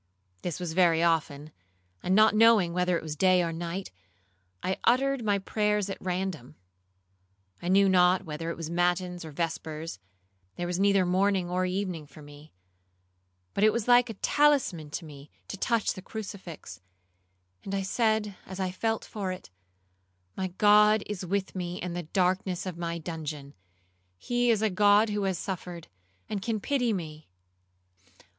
This was very often, and not knowing whether it was day or night, I uttered my prayers at random. I knew not whether it was matins or vespers; there was neither morning or evening for me, but it was like a talisman to me to touch the crucifix, and I said as I felt for it, 'My God is with me in the darkness of my dungeon; he is a God who has suffered, and can pity me.